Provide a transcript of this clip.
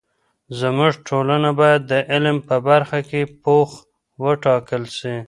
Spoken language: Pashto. زموږ ټولنه باید د علم په برخه کې پوخ وټاکل سي.